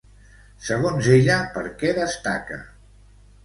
Segons ella, per què destaca?